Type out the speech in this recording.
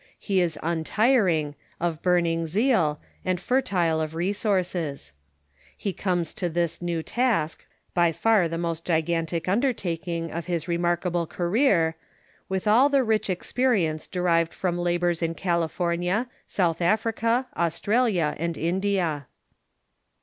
He is untiring, of burning zeal, and fertile of resources. He comes to this new task, by far the most gigantic undertaking of his remarkable career, with all the rich experience derived from labors in California, South Africa, Australia, and India.